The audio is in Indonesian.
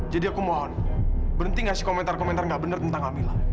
jadi aku mohon berhenti ngasih komentar komentar nggak benar tentang kamila